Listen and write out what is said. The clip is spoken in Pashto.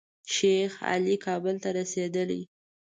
شیخ علي کابل ته رسېدلی.